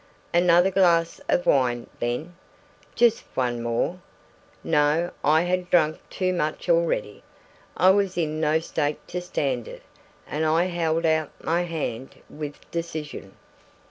Another glass of wine, then? Just one more? No, I had drunk too much already. I was in no state to stand it. And I held out my hand with decision.